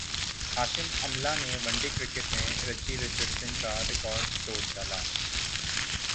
ہاشم Amla نے one day cricket میں Richie Richardson کا ریکارڈ توڑ ڈالا